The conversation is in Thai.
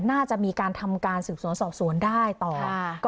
ทำไมผมได้ยินสิ่งสุดท้าย